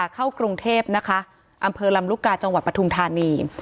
เข้ากรุงเทพนะคะอำเภอลำลูกกาจังหวัดปทุมธานี